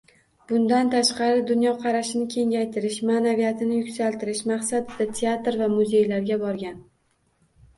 Bundan tashqari, dunyoqarashini kengaytirish, ma`naviyatini yuksaltirish maqsadida teatr va muzeylarga borgan